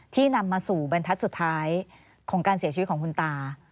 นำมาสู่บรรทัศน์สุดท้ายของการเสียชีวิตของคุณตา